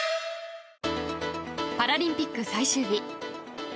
パラリンピック最終日。